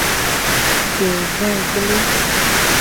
De vegble.